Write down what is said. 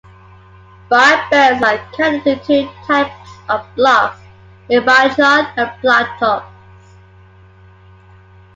Briar burls are cut into two types of blocks; ebauchon and plateaux.